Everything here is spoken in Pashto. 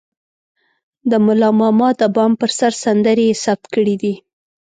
د ملا ماما د بام پر سر سندرې يې ثبت کړې دي.